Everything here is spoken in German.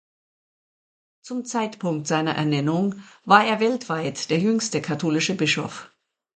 Zum Zeitpunkt seiner Ernennung war er weltweit der jüngste katholische Bischof.